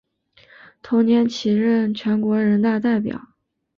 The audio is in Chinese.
同年起担任全国人大代表。